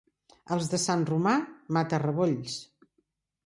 Els de Sant Romà, mata-rebolls.